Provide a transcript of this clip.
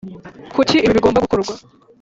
kuki ibi bigomba gukorwa?